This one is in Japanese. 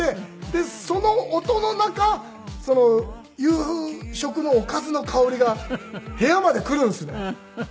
でその音の中夕食のおかずの香りが部屋まで来るんですね。